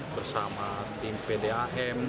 bersama tim pdam